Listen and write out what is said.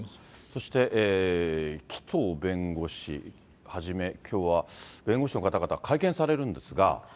そして紀藤弁護士はじめ、きょうは弁護士の方々、会見されるんですが。